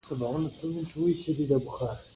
ژبې د افغان کلتور سره تړاو لري.